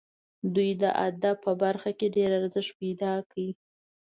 دوی د ادب په برخه کې ډېر ارزښت پیدا کړ.